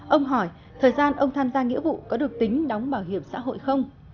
ông hỏi thời gian ông tham gia nghĩa vụ có được tính đóng bảo hiểm xã hội không